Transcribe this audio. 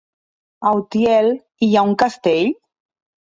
A Utiel hi ha un castell?